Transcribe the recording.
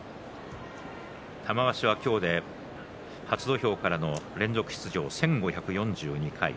玉鷲は今日で初土俵からの連続出場１５４２回